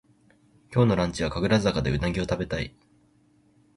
今日のランチは神楽坂でうなぎをたべたい